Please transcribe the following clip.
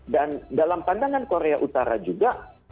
dan dalam pandangan korea utara juga